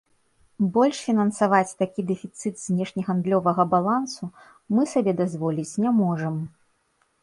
Больш фінансаваць такі дэфіцыт знешнегандлёвага балансу мы сабе дазволіць не можам.